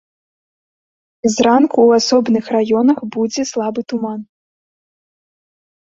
Зранку ў асобных раёнах будзе слабы туман.